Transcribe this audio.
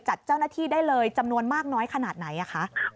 จัดเจ้าหน้าที่ได้เลยจำนวนมากน้อยขนาดไหนคะ